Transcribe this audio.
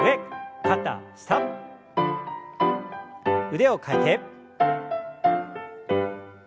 腕を替えて。